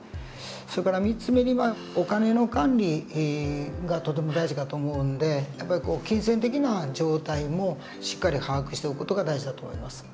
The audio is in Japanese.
それから３つ目にはお金の管理がとても大事かと思うんでやっぱり金銭的な状態もしっかり把握しておく事が大事だと思います。